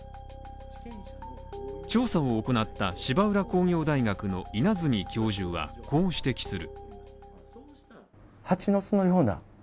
調査を行った芝浦工業大学の稲積教授はこう指摘する。